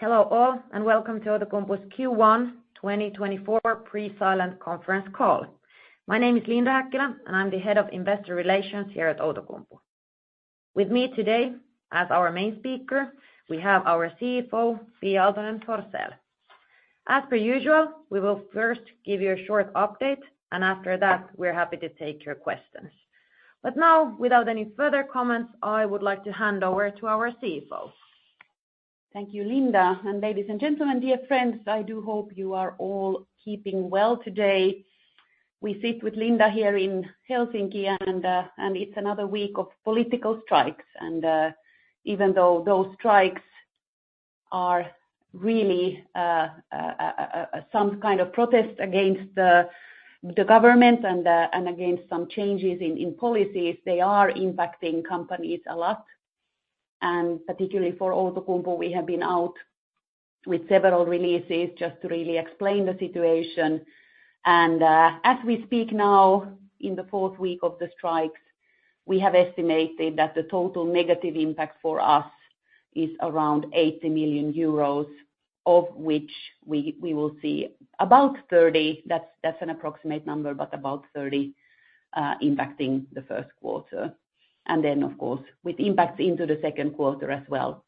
Hello all and welcome to Outokumpu's Q1 2024 pre-silent conference call. My name is Linda Häkkilä and I'm the Head of Investor Relations here at Outokumpu. With me today as our main speaker we have our CFO Pia Aaltonen-Forsell. As per usual we will first give you a short update and after that we're happy to take your questions. Now without any further comments I would like to hand over to our CFO. Thank you, Linda, and ladies and gentlemen, dear friends. I do hope you are all keeping well today. We sit with Linda here in Helsinki, and it's another week of political strikes, and even though those strikes are really some kind of protest against the government and against some changes in policies, they are impacting companies a lot. And particularly for Outokumpu, we have been out with several releases just to really explain the situation. And as we speak now, in the fourth week of the strikes, we have estimated that the total negative impact for us is around 80 million euros, of which we will see about 30 million—that's an approximate number, but about 30 million impacting the first quarter. And then of course with impacts into the second quarter as well.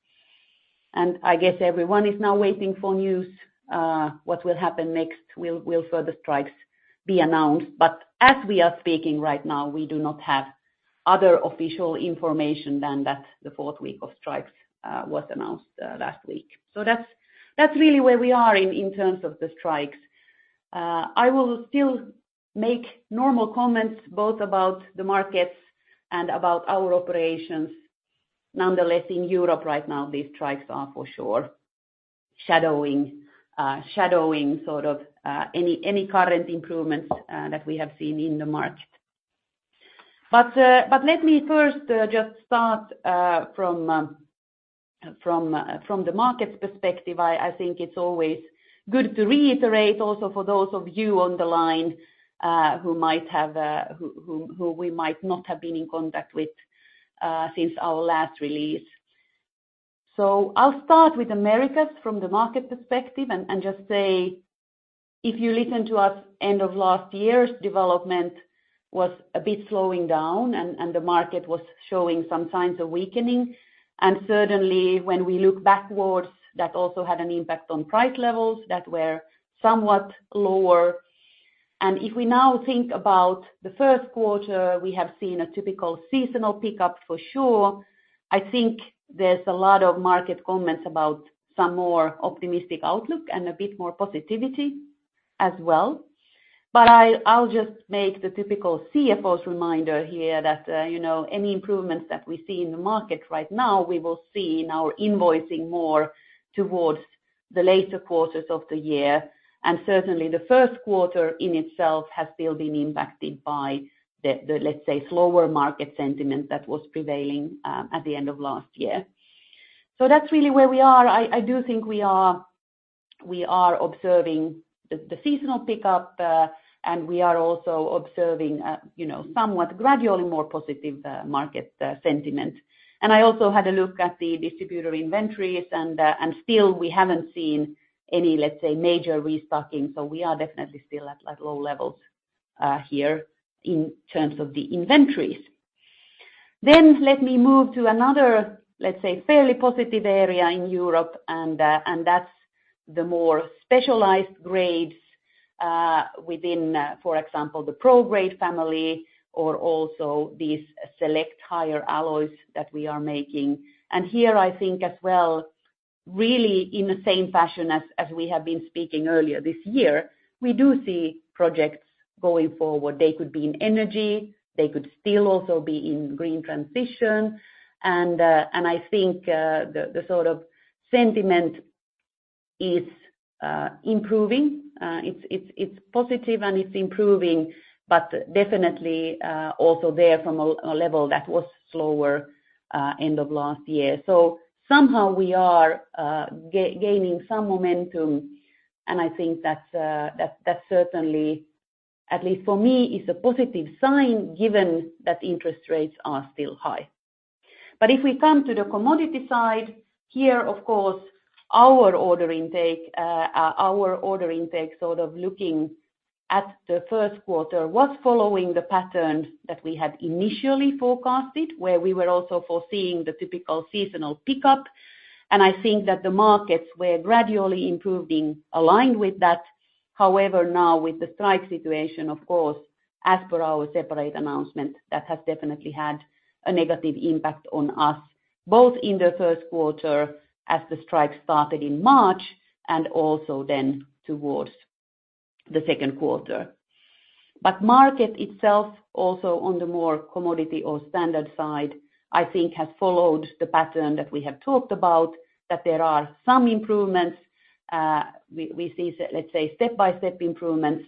I guess everyone is now waiting for news what will happen next. Will further strikes be announced? But as we are speaking right now, we do not have other official information than that the fourth week of strikes was announced last week. So that's really where we are in terms of the strikes. I will still make normal comments both about the markets and about our operations. Nonetheless, in Europe right now, these strikes are for sure shadowing sort of any current improvements that we have seen in the market. But let me first just start from the markets perspective. I think it's always good to reiterate also for those of you on the line who we might not have been in contact with since our last release. So I'll start with Americas from the market perspective and just say if you listen to us end of last year's development was a bit slowing down and the market was showing some signs of weakening. And certainly when we look backwards that also had an impact on price levels that were somewhat lower. And if we now think about the first quarter we have seen a typical seasonal pickup for sure. I think there's a lot of market comments about some more optimistic outlook and a bit more positivity as well. But I'll just make the typical CFO's reminder here that you know any improvements that we see in the market right now we will see in our invoicing more towards the later quarters of the year. Certainly the first quarter in itself has still been impacted by the let's say slower market sentiment that was prevailing at the end of last year. So that's really where we are. I do think we are observing the seasonal pickup and we are also observing you know somewhat gradually more positive market sentiment. And I also had a look at the distributor inventories and still we haven't seen any let's say major restocking. So we are definitely still at like low levels here in terms of the inventories. Then let me move to another let's say fairly positive area in Europe and that's the more specialized grades within for example the Prodec family or also these select higher alloys that we are making. And here I think as well really in the same fashion as we have been speaking earlier this year we do see projects going forward. They could be in energy. They could still also be in green transition. And I think the sort of sentiment is improving. It's positive and it's improving. But definitely also there from a level that was slower end of last year. So somehow we are gaining some momentum. And I think that's certainly at least for me is a positive sign given that interest rates are still high. But if we come to the commodity side here of course our order intake sort of looking at the first quarter was following the pattern that we had initially forecasted where we were also foreseeing the typical seasonal pickup. And I think that the markets were gradually improving aligned with that. However now with the strike situation of course as per our separate announcement that has definitely had a negative impact on us both in the first quarter as the strike started in March and also then towards the second quarter. But market itself also on the more commodity or standard side I think has followed the pattern that we have talked about that there are some improvements. We see, let's say, step-by-step improvements.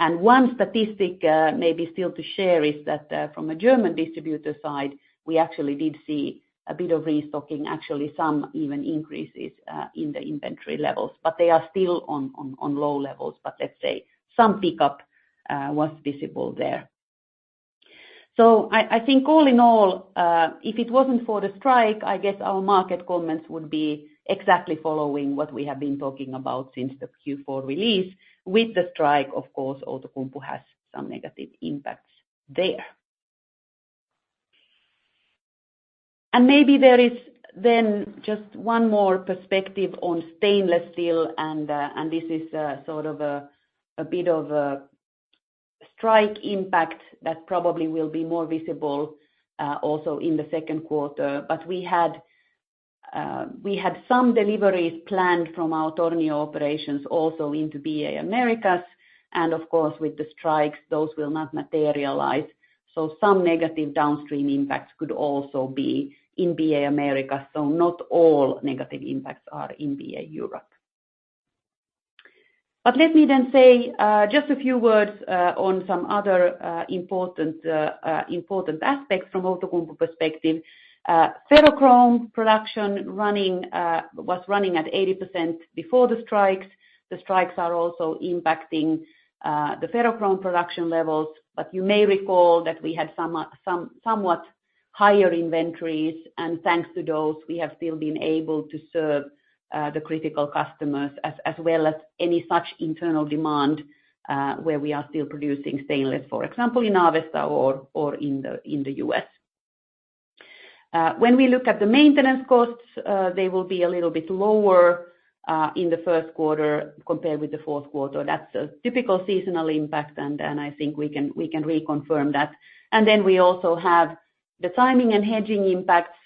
And one statistic maybe still to share is that from a German distributor side we actually did see a bit of restocking actually some even increases in the inventory levels. But they are still on low levels. But let's say some pickup was visible there. So, I think all in all, if it wasn't for the strike, I guess our market comments would be exactly following what we have been talking about since the Q4 release. With the strike, of course, Outokumpu has some negative impacts there. Maybe there is then just one more perspective on stainless steel, and this is sort of a bit of a strike impact that probably will be more visible also in the second quarter. But we had some deliveries planned from our Tornio operations also into BA Americas. And of course with the strikes, those will not materialize. So some negative downstream impacts could also be in BA Americas. So not all negative impacts are in BA Europe. But let me then say just a few words on some other important aspects from Outokumpu perspective. Ferrochrome production running was running at 80% before the strikes. The strikes are also impacting the ferrochrome production levels. But you may recall that we had some somewhat higher inventories. And thanks to those we have still been able to serve the critical customers as well as any such internal demand where we are still producing stainless for example in Avesta or in the US. When we look at the maintenance costs they will be a little bit lower in the first quarter compared with the fourth quarter. That's a typical seasonal impact and I think we can reconfirm that. And then we also have the timing and hedging impacts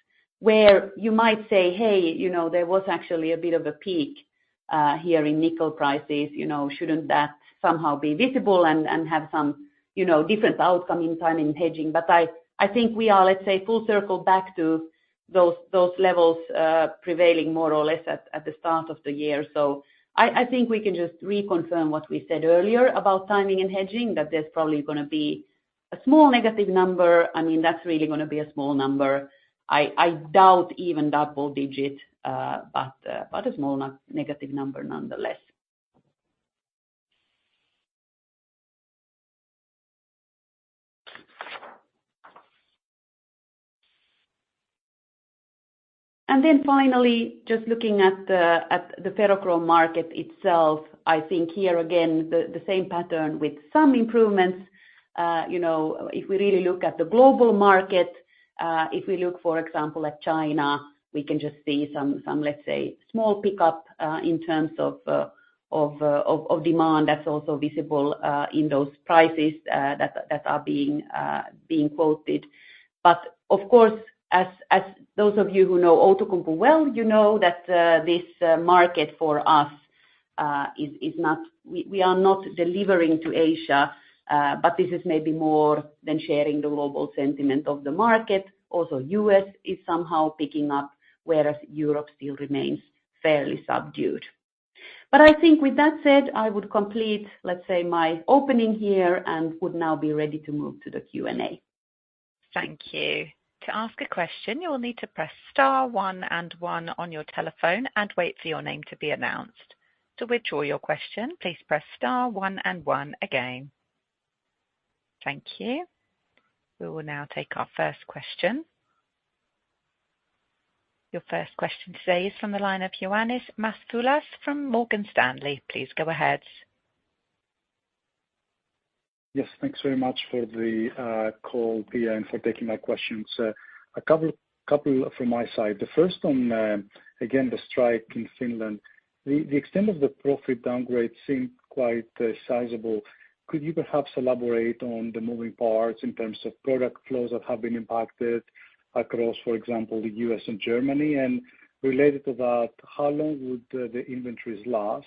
where you might say hey you know there was actually a bit of a peak here in nickel prices. You know, shouldn't that somehow be visible and have some, you know, different outcome in timing and hedging? But I think we are, let's say, full circle back to those levels prevailing more or less at the start of the year. So I think we can just reconfirm what we said earlier about timing and hedging that there's probably gonna be a small negative number. I mean, that's really gonna be a small number. I doubt even double digit, but a small negative number nonetheless. And then finally just looking at the ferrochrome market itself, I think here again the same pattern with some improvements. You know, if we really look at the global market, if we look, for example, at China, we can just see some small pickup in terms of demand. That's also visible in those prices that are being quoted. But of course, as those of you who know Outokumpu well, you know that this market for us is not; we are not delivering to Asia. But this is maybe more than sharing the global sentiment of the market. Also, the US is somehow picking up, whereas Europe still remains fairly subdued. But I think, with that said, I would complete my opening here and would now be ready to move to the Q&A. Thank you. To ask a question you will need to press star one and one on your telephone and wait for your name to be announced. To withdraw your question please press star one and one again. Thank you. We will now take our first question. Your first question today is from the line of Ioannis Masvoulas from Morgan Stanley. Please go ahead. Yes, thanks very much for the call, Pia, and for taking my questions. A couple from my side. The first one again on the strike in Finland. The extent of the profit downgrade seemed quite sizable. Could you perhaps elaborate on the moving parts in terms of product flows that have been impacted across, for example, the U.S. and Germany? And related to that, how long would the inventories last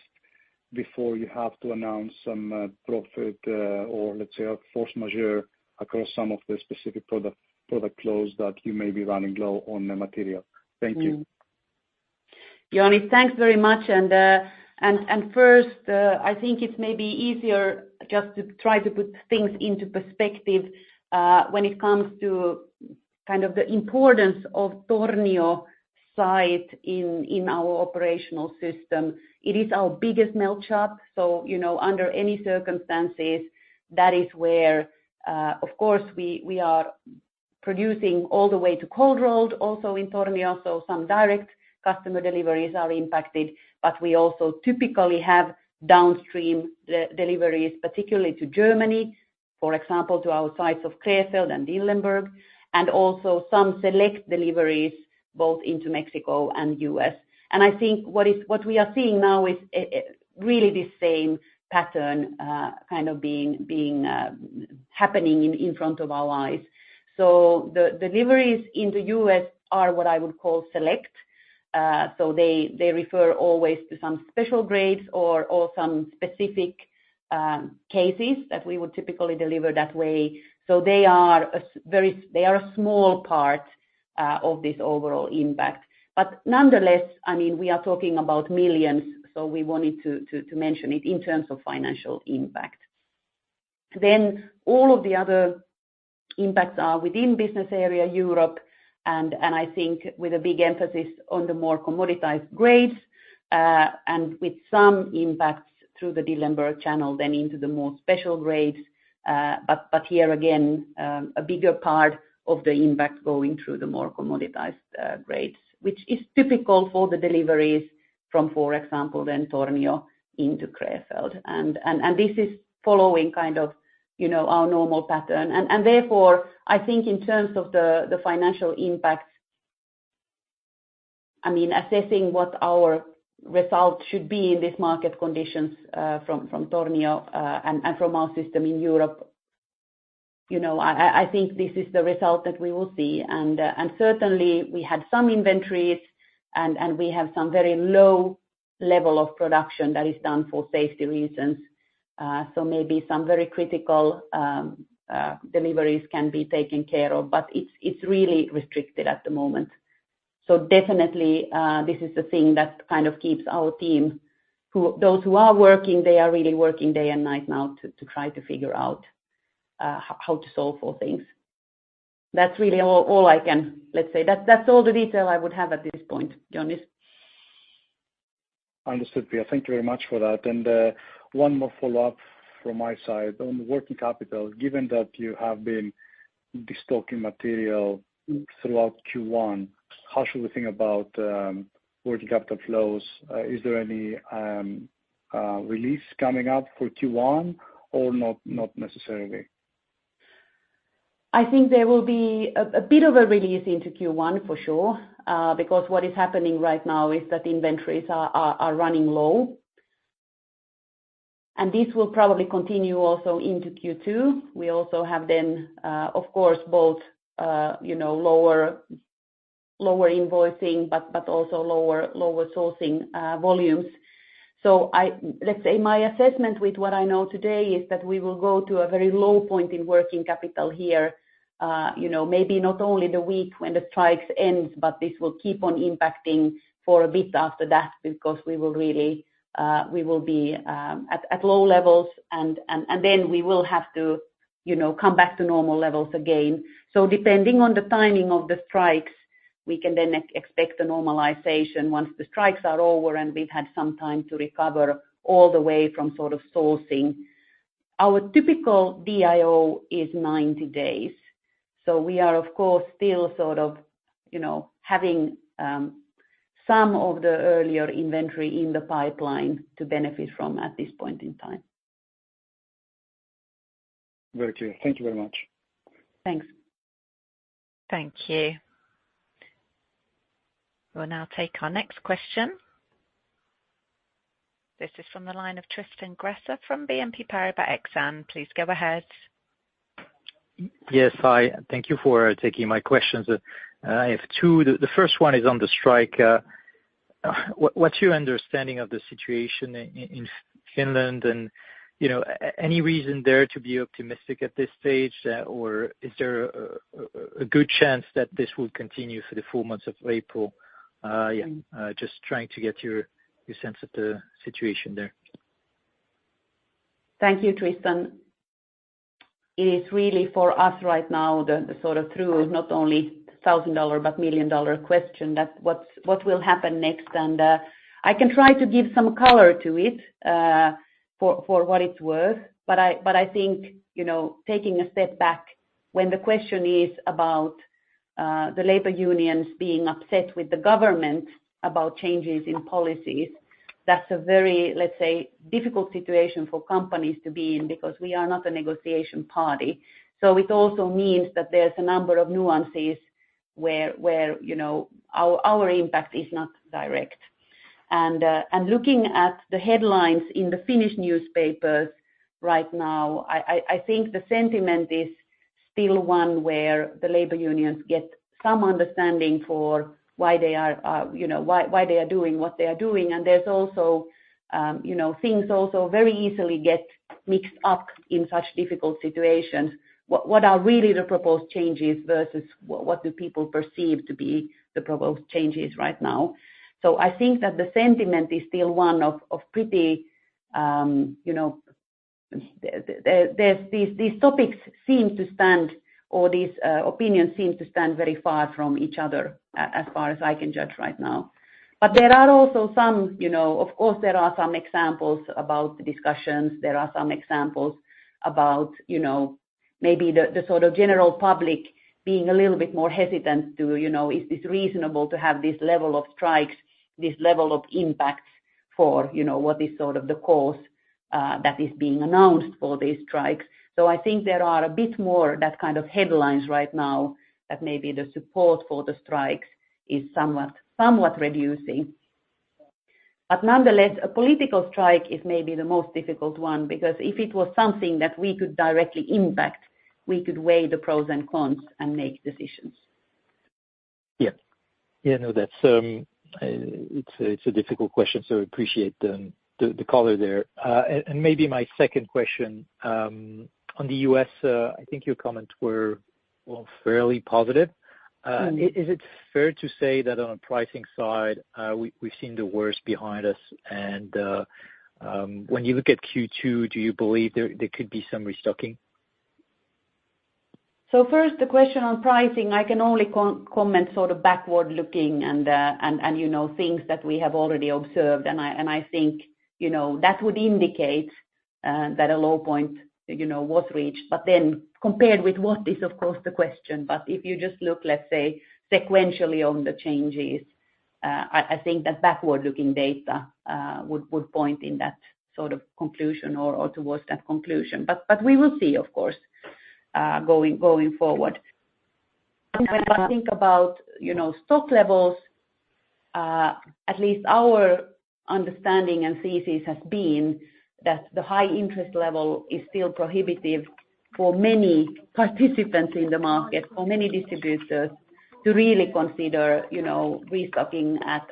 before you have to announce some profit or, let's say, a force majeure across some of the specific product flows that you may be running low on material? Thank you. Mm-hmm. Ioannis, thanks very much. And first I think it's maybe easier just to try to put things into perspective when it comes to kind of the importance of Tornio site in our operational system. It is our biggest melt shop. So you know under any circumstances that is where of course we are producing all the way to cold-rolled also in Tornio. So some direct customer deliveries are impacted. But we also typically have downstream the deliveries particularly to Germany for example to our sites of Krefeld and Dillenburg. And also some select deliveries both into Mexico and U.S. And I think what we are seeing now is really the same pattern kind of being happening in front of our eyes. So the deliveries into U.S. are what I would call select. So they refer always to some special grades or some specific cases that we would typically deliver that way. So they are a very small part of this overall impact. But nonetheless I mean we are talking about millions. So we wanted to mention it in terms of financial impact. Then all of the other impacts are within business area Europe. And I think with a big emphasis on the more commoditized grades and with some impacts through the Dillenburg channel then into the more special grades. But here again a bigger part of the impact going through the more commoditized grades which is typical for the deliveries from for example then Tornio into Krefeld. And this is following kind of you know our normal pattern. Therefore I think in terms of the financial impacts I mean assessing what our result should be in these market conditions from Tornio and from our system in Europe. You know I think this is the result that we will see. And certainly we had some inventories and we have some very low level of production that is done for safety reasons. So maybe some very critical deliveries can be taken care of. But it's really restricted at the moment. So definitely this is the thing that kind of keeps our team who those who are working they are really working day and night now to try to figure out how to solve for things. That's really all I can let's say. That's all the detail I would have at this point Ioannis. Understood, Pia. Thank you very much for that. One more follow-up from my side. On working capital given that you have been destocking material throughout Q1 how should we think about working capital flows? Is there any release coming up for Q1 or not not necessarily? I think there will be a bit of a release into Q1 for sure. Because what is happening right now is that inventories are running low. And this will probably continue also into Q2. We also have then of course both you know lower invoicing but also lower sourcing volumes. So, let's say my assessment with what I know today is that we will go to a very low point in working capital here. You know, maybe not only the week when the strikes ends but this will keep on impacting for a bit after that because we will really we will be at low levels. And then we will have to you know come back to normal levels again. So depending on the timing of the strikes we can then expect a normalization once the strikes are over and we've had some time to recover all the way from sort of sourcing. Our typical DIO is 90 days. So we are of course still sort of you know having some of the earlier inventory in the pipeline to benefit from at this point in time. Very clear. Thank you very much. Thanks. Thank you. We'll now take our next question. This is from the line of Tristan Gresser from BNP Paribas Exane. Please go ahead. Yes, I thank you for taking my questions. I have two. The first one is on the strike. What's your understanding of the situation in Finland? And you know, any reason there to be optimistic at this stage? Or is there a good chance that this would continue for the four months of April? Yeah, just trying to get your sense of the situation there. Thank you Tristan. It is really for us right now the sort of through not only thousand dollar but million dollar question that what will happen next. And I can try to give some color to it for what it's worth. But I think you know taking a step back when the question is about the labor unions being upset with the government about changes in policies that's a very let's say difficult situation for companies to be in because we are not a negotiation party. So it also means that there's a number of nuances where you know our impact is not direct. Looking at the headlines in the Finnish newspapers right now, I think the sentiment is still one where the labor unions get some understanding for why they are, you know, doing what they are doing. There's also, you know, things very easily get mixed up in such difficult situations. What are really the proposed changes versus what do people perceive to be the proposed changes right now? I think that the sentiment is still one of pretty, you know, that there's these topics seem to stand or these opinions seem to stand very far from each other as far as I can judge right now. But there are also some, you know, of course there are some examples about the discussions. There are some examples about you know maybe the sort of general public being a little bit more hesitant to you know is this reasonable to have this level of strikes, this level of impact for you know what is sort of the cause that is being announced for these strikes. So I think there are a bit more that kind of headlines right now that maybe the support for the strikes is somewhat reducing. But nonetheless a political strike is maybe the most difficult one because if it was something that we could directly impact we could weigh the pros and cons and make decisions. Yeah. Yeah, no, that's. It's a difficult question. So I appreciate the color there. And maybe my second question on the U.S. I think your comments were all fairly positive. Is it fair to say that on the pricing side we've seen the worst behind us? And when you look at Q2, do you believe there could be some restocking? So, first, the question on pricing, I can only comment sort of backward looking and you know things that we have already observed. And I think you know that would indicate that a low point you know was reached. But then compared with what is of course the question. But if you just look, let's say, sequentially on the changes, I think that backward looking data would point in that sort of conclusion or towards that conclusion. But we will see of course going forward. When I think about you know stock levels, at least our understanding and thesis has been that the high interest level is still prohibitive for many participants in the market for many distributors to really consider you know restocking at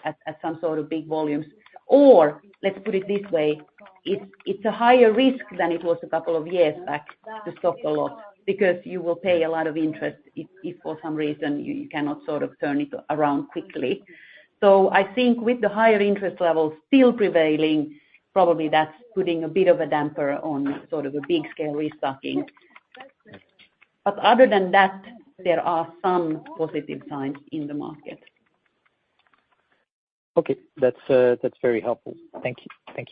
some sort of big volumes. Or, let's put it this way, it's a higher risk than it was a couple of years back to stock a lot because you will pay a lot of interest if, for some reason, you cannot sort of turn it around quickly. So, I think with the higher interest levels still prevailing, probably that's putting a bit of a damper on sort of a big scale restocking. But, other than that, there are some positive signs in the market. Okay. That's very helpful. Thank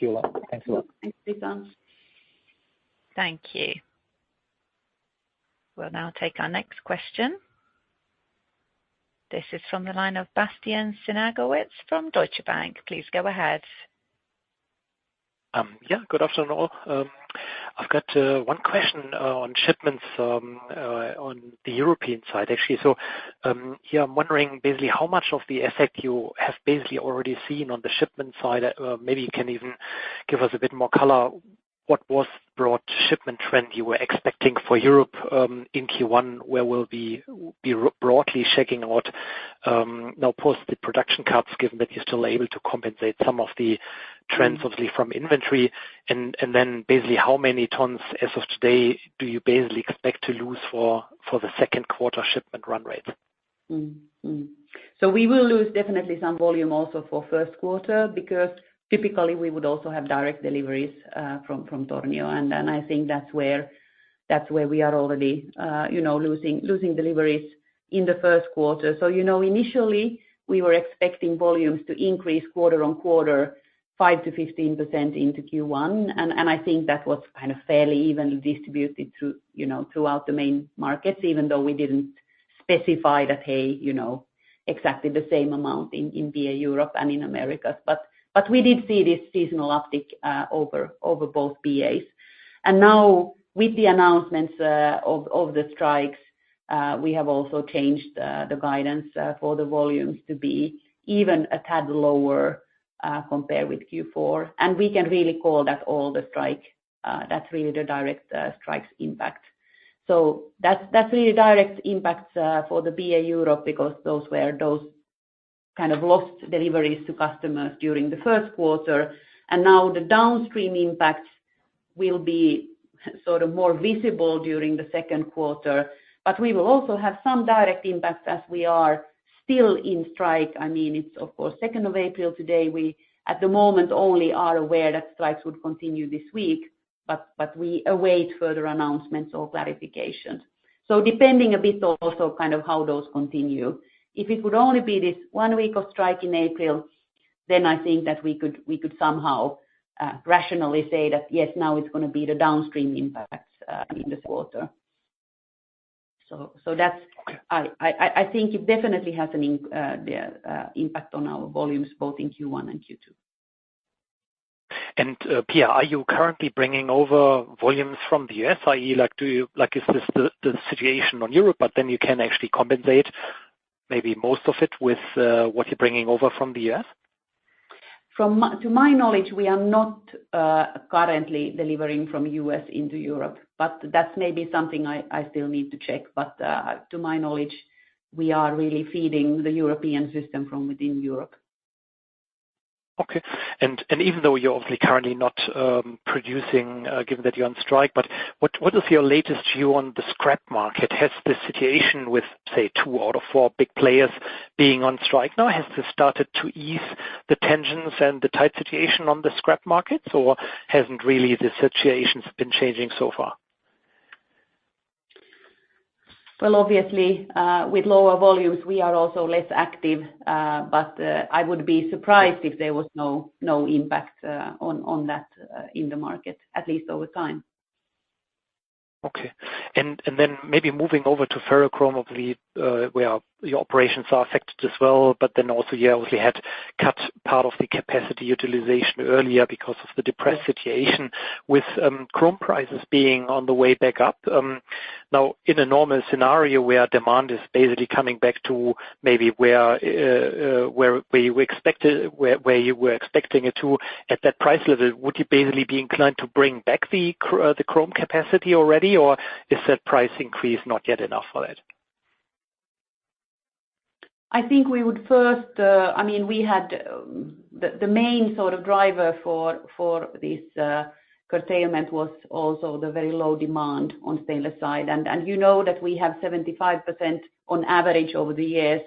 you a lot. Thanks a lot. Thanks Tristan. Thank you. We'll now take our next question. This is from the line of Bastian Synagowitz from Deutsche Bank. Please go ahead. Yeah, good afternoon all. I've got one question on shipments on the European side actually. So here I'm wondering basically how much of the effect you have basically already seen on the shipment side or maybe you can even give us a bit more color. What was broad shipment trend you were expecting for Europe in Q1 where we would be broadly checking out now post the production cuts given that you're still able to compensate some of the trends obviously from inventory. And then basically how many tons as of today do you basically expect to lose for the second quarter shipment run rates? So we will lose definitely some volume also for first quarter because typically we would also have direct deliveries from Tornio. And I think that's where we are already you know losing deliveries in the first quarter. So you know initially we were expecting volumes to increase quarter-on-quarter 5%-15% into Q1. And I think that was kind of fairly evenly distributed through you know throughout the main markets even though we didn't specify that hey you know exactly the same amount in BA Europe and in BA Americas. But we did see this seasonal uptick over both BAs. And now with the announcements of the strikes we have also changed the guidance for the volumes to be even a tad lower compared with Q4. And we can really call that all the strike that's really the direct strike's impact. So that's really direct impacts for the BA Europe because those were those kind of lost deliveries to customers during the first quarter. And now the downstream impacts will be sort of more visible during the second quarter. But we will also have some direct impacts as we are still in strike. I mean it's of course second of April today. We at the moment only are aware that strikes would continue this week. But we await further announcements or clarifications. So depending a bit also kind of how those continue. If it would only be this one week of strike in April then I think that we could somehow rationally say that yes now it's gonna be the downstream impacts in this quarter. So that's, I think it definitely has an indirect impact on our volumes both in Q1 and Q2. Pia, are you currently bringing over volumes from the U.S.? I mean, like, do you like is this the situation on Europe? But then you can actually compensate maybe most of it with what you're bringing over from the U.S.? From my knowledge, we are not currently delivering from U.S. into Europe. But that's maybe something I still need to check. But to my knowledge, we are really feeding the European system from within Europe. Okay. And even though you're obviously currently not producing given that you're on strike but what is your latest view on the scrap market? Has this situation with say two out of four big players being on strike now has this started to ease the tensions and the tight situation on the scrap markets? Or hasn't really the situation been changing so far? Well, obviously with lower volumes we are also less active. But I would be surprised if there was no impact on that in the market at least over time. Okay. And then maybe moving over to ferrochrome obviously where your operations are affected as well. But then also yeah obviously had cut part of the capacity utilization earlier because of the depressed situation with chrome prices being on the way back up. Now in a normal scenario where demand is basically coming back to maybe where you expected where you were expecting it to at that price level would you basically be inclined to bring back the chrome capacity already? Or is that price increase not yet enough for that? I think we would first. I mean, we had the main sort of driver for this curtailment was also the very low demand on stainless side. And you know that we have 75% on average over the years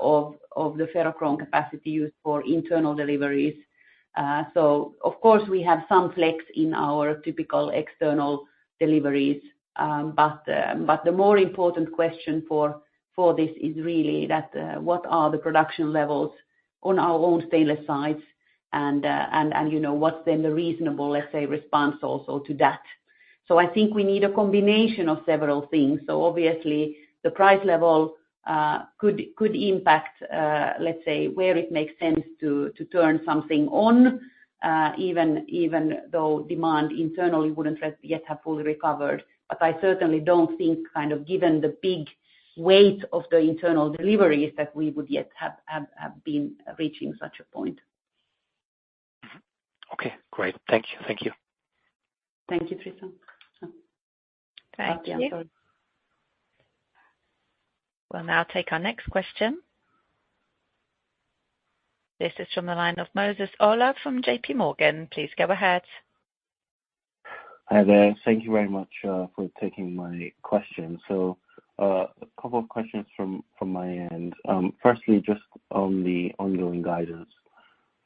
of the ferrochrome capacity used for internal deliveries. So of course we have some flex in our typical external deliveries. But the more important question for this is really that what are the production levels on our own stainless sides? And you know what's then the reasonable, let's say, response also to that? So I think we need a combination of several things. So obviously the price level could impact, let's say, where it makes sense to turn something on even though demand internally wouldn't really yet have fully recovered. But I certainly don't think kind of given the big weight of the internal deliveries that we would yet have been reaching such a point. Mm-hmm. Okay. Great. Thank you thank you. Thank you Tristan. Yeah. Thank you. Bastian, sorry. We'll now take our next question. This is from the line of Moses Ola from J.P. Morgan. Please go ahead. Hi there. Thank you very much for taking my question. So a couple of questions from my end. Firstly, just on the ongoing guidance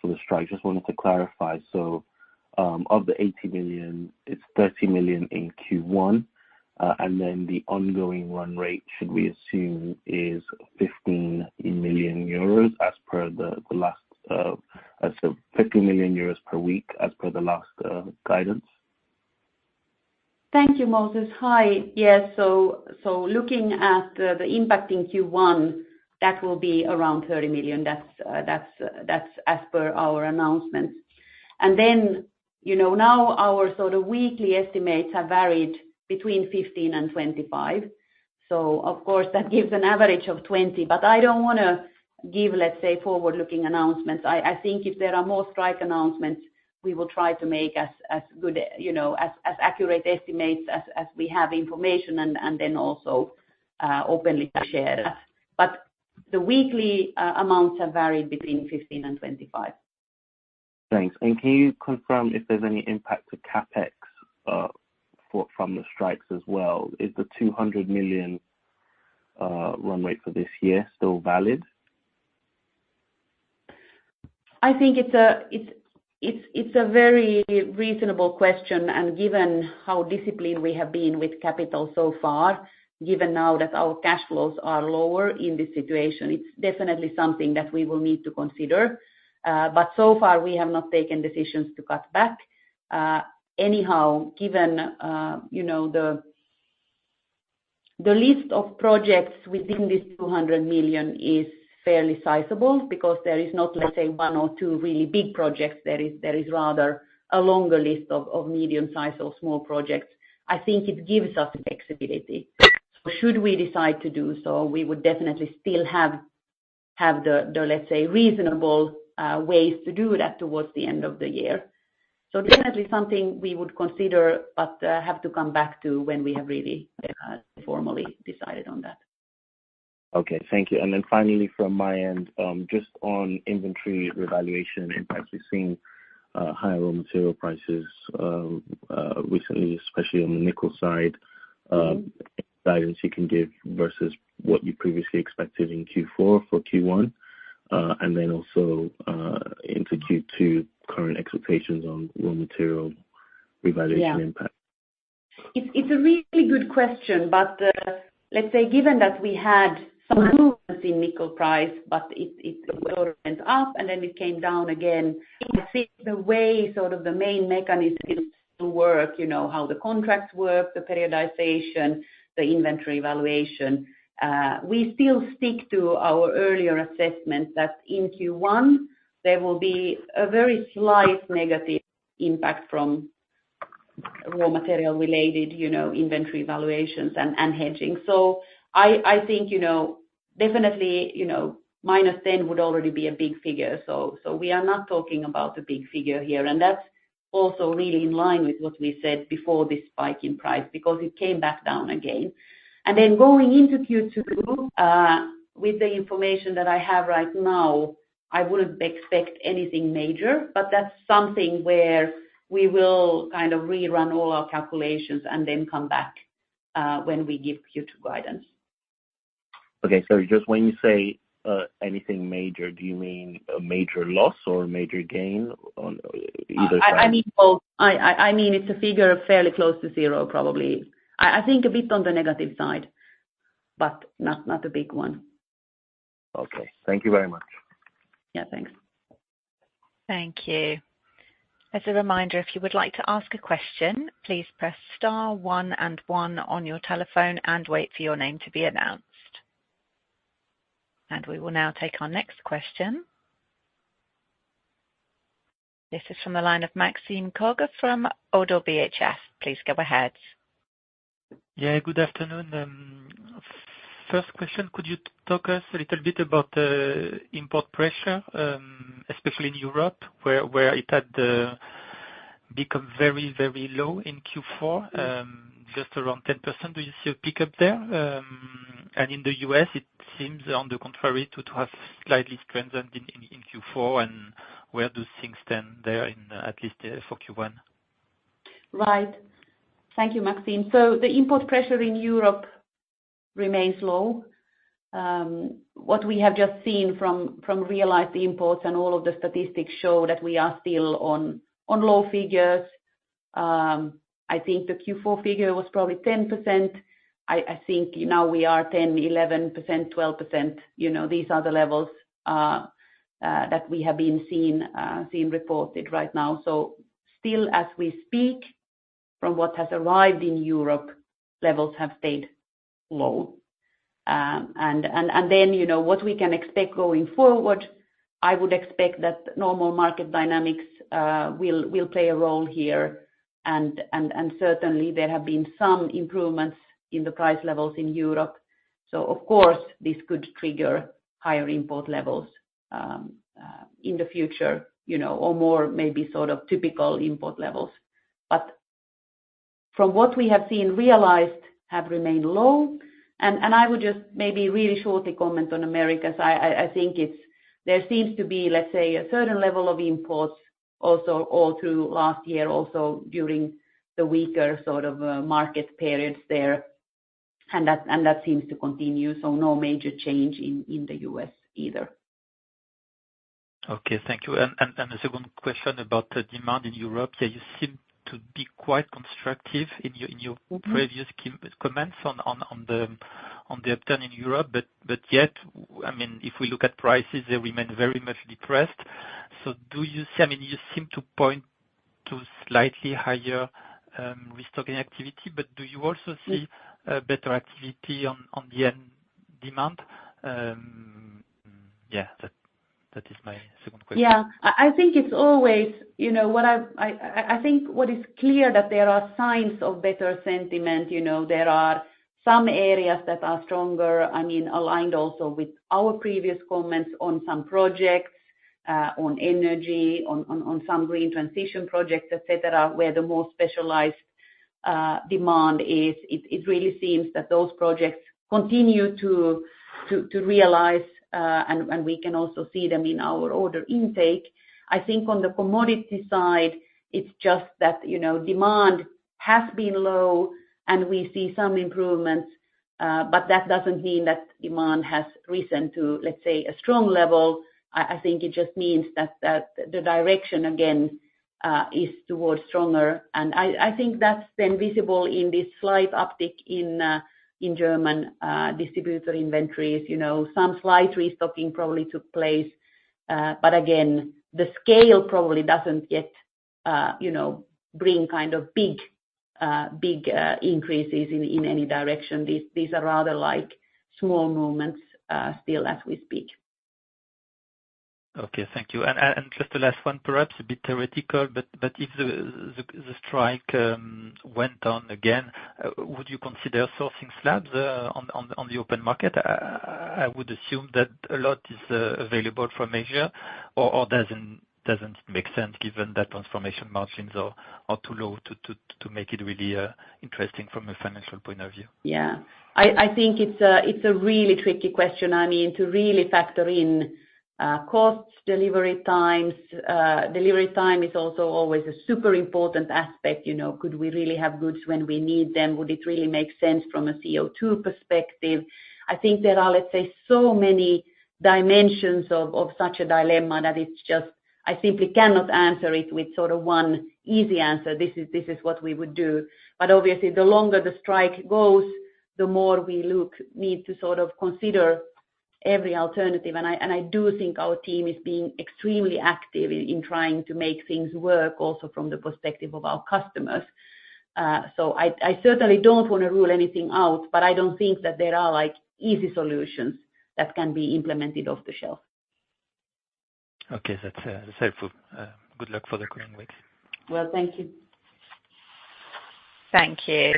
for the strike. Just wanted to clarify. So of the 80 million, it's 30 million in Q1. And then the ongoing run rate—should we assume is 15 million euros per week as per the last guidance? Thank you, Moses. Hi, yeah, so looking at the impact in Q1 that will be around 30 million. That's as per our announcements. And then you know now our sort of weekly estimates have varied between 15 million and 25 million. So of course that gives an average of 20 million. But I don't wanna give let's say forward-looking announcements. I think if there are more strike announcements we will try to make as good you know as accurate estimates as we have information and then also openly share that. But the weekly amounts have varied between 15 million and 25 million. Thanks. Can you confirm if there's any impact to CapEx from the strikes as well? Is the 200 million run rate for this year still valid? I think it's a very reasonable question. And given how disciplined we have been with capital so far given now that our cash flows are lower in this situation it's definitely something that we will need to consider. But so far we have not taken decisions to cut back. Anyhow given you know the list of projects within this 200 million is fairly sizable because there is not let's say one or two really big projects. There is rather a longer list of medium size or small projects. I think it gives us flexibility. So should we decide to do so we would definitely still have the let's say reasonable ways to do that towards the end of the year. Definitely something we would consider, but have to come back to when we have really formally decided on that. Okay. Thank you. And then finally from my end just on inventory revaluation impacts we've seen higher raw material prices recently especially on the nickel side guidance you can give versus what you previously expected in Q4 for Q1. And then also into Q2 current expectations on raw material revaluation impact. Yeah. It's a really good question. But let's say given that we had some improvements in nickel price but it sort of went up and then it came down again. I think the way sort of the main mechanism still work you know how the contracts work the periodization the inventory evaluation we still stick to our earlier assessment that in Q1 there will be a very slight negative impact from raw material related you know inventory evaluations and hedging. So I think you know definitely you know minus 10 would already be a big figure. So we are not talking about a big figure here. And that's also really in line with what we said before this spike in price because it came back down again. Then going into Q2 with the information that I have right now, I wouldn't expect anything major. That's something where we will kind of rerun all our calculations and then come back when we give Q2 guidance. Okay. So just when you say anything major do you mean a major loss or a major gain on either side? I mean both. I mean it's a figure fairly close to zero probably. I think a bit on the negative side but not a big one. Okay. Thank you very much. Yeah thanks. Thank you. As a reminder, if you would like to ask a question, please press star one and one on your telephone and wait for your name to be announced. We will now take our next question. This is from the line of Maxime Kogge from ODDO BHF. Please go ahead. Yeah, good afternoon. First question: could you talk to us a little bit about the import pressure, especially in Europe where it had become very very low in Q4, just around 10%? Do you see a pickup there? And in the U.S., it seems on the contrary to have slightly strengthened in Q4. And where do things stand there, at least for Q1? Right. Thank you, Maxime. So the import pressure in Europe remains low. What we have just seen from realized imports and all of the statistics show that we are still on low figures. I think the Q4 figure was probably 10%. I think now we are 10%, 11%, 12% you know these are the levels that we have been seeing reported right now. So still as we speak from what has arrived in Europe levels have stayed low. Then you know what we can expect going forward I would expect that normal market dynamics will play a role here. Certainly there have been some improvements in the price levels in Europe. So of course this could trigger higher import levels in the future you know or more maybe sort of typical import levels. But from what we have seen, realized have remained low. And I would just maybe really shortly comment on America. So I think it's there seems to be, let's say, a certain level of imports also all through last year also during the weaker sort of market periods there. And that seems to continue. So no major change in the U.S. either. Okay, thank you. And a second question about the demand in Europe. Yeah, you seem to be quite constructive in your previous comments on the upturn in Europe. But yet, well, I mean, if we look at prices, they remain very much depressed. So do you see? I mean, you seem to point to slightly higher restocking activity, but do you also see better activity on the end demand? Yeah, that is my second question. Yeah, I think it's always, you know, what I've—I think what is clear that there are signs of better sentiment, you know. There are some areas that are stronger, I mean, aligned also with our previous comments on some projects on energy on some green transition projects, etcetera, where the more specialized demand is. It really seems that those projects continue to realize and we can also see them in our order intake. I think on the commodity side it's just that, you know, demand has been low and we see some improvements. But that doesn't mean that demand has risen to, let's say, a strong level. I think it just means that the direction again is towards stronger. And I think that's then visible in this slight uptick in German distributor inventories. You know some slight restocking probably took place. But again the scale probably doesn't yet you know bring kind of big big increases in in any direction. These these are rather like small movements still as we speak. Okay, thank you. And just the last one, perhaps a bit theoretical, but if the strike went on again, would you consider sourcing slabs on the open market? I would assume that a lot is available from Asia, or doesn't it make sense given that transformation margins are too low to make it really interesting from a financial point of view? Yeah. I think it's a really tricky question. I mean, to really factor in costs, delivery times—delivery time is also always a super important aspect, you know. Could we really have goods when we need them? Would it really make sense from a CO2 perspective? I think there are, let's say, so many dimensions of such a dilemma that it's just I simply cannot answer it with sort of one easy answer. This is what we would do. But obviously, the longer the strike goes, the more we need to sort of consider every alternative. And I do think our team is being extremely active in trying to make things work also from the perspective of our customers. I certainly don't wanna rule anything out, but I don't think that there are like easy solutions that can be implemented off the shelf. Okay, that's helpful. Good luck for the coming weeks. Well thank you. Thank you.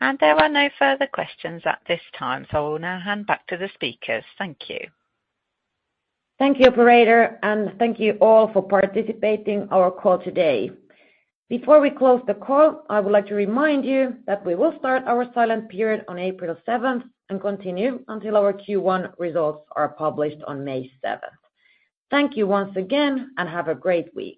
There are no further questions at this time so I will now hand back to the speakers. Thank you. Thank you, operator, and thank you all for participating in our call today. Before we close the call, I would like to remind you that we will start our silent period on April 7th and continue until our Q1 results are published on May 7th. Thank you once again and have a great week.